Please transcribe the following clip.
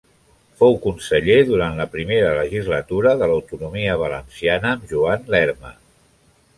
Fou conseller durant la primera legislatura de l'autonomia valenciana amb Joan Lerma.